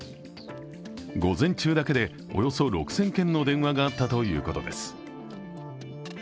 午前中だけで、およ６０００件の電話があったということです。